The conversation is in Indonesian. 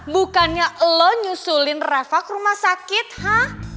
bukannya lo nyusulin reva ke rumah sakit ha